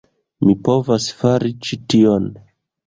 Mi povas fari ĉi tion!